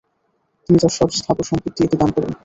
তিনি তার সব স্থাবর সম্পত্তি এতে দান করেন।